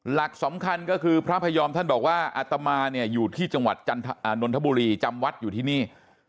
หลักสำคัญก็คือพระพยอมท่านบอกว่าอัตมาเนี่ยอยู่ที่จังหวัดนนทบุรีจำวัดอยู่ที่นี่